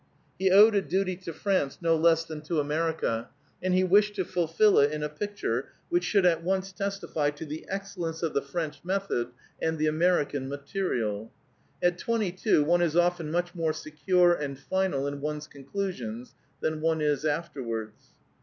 He owed a duty to France no less than to America, and he wished to fulfil it in a picture which should at once testify to the excellence of the French method and the American material. At twenty two, one is often much more secure and final in one's conclusions than one is afterwards.